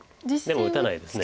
でも打たないです。